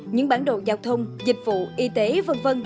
những bản đồ giao thông dịch vụ y tế v v